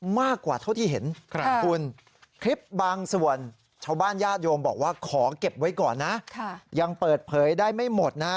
มากกว่าเท่าที่เห็นคุณคลิปบางส่วนชาวบ้านญาติโยมบอกว่าขอเก็บไว้ก่อนนะยังเปิดเผยได้ไม่หมดนะ